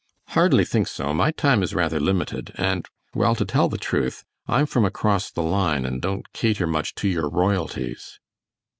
"Hardly think so; my time is rather limited, and, well, to tell the truth; I'm from across the line and don't cater much to your royalties."